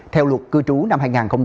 theo luật cư trú năm hai nghìn hai mươi